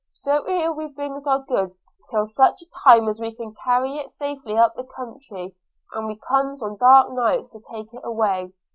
So here we brings our goods till such time as we can carry it safely up the country, and we comes on dark nights to take it away.'